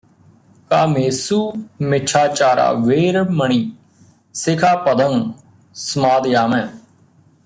ਕਾਮੇਸੂ ਮਿੱਛਾਚਾਰਾ ਵੇਰਮਣੀ ਸਿਖਾ ਪਦੰ ਸਮਾਦਿਯਾਮਿ